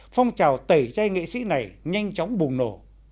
phong trào tẩy chay nghệ sĩ này nhanh chóng bùng nổ